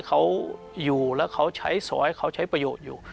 เขาอยู่แล้วเขาใช้ซอยเขาใช้ประโยชน์อยู่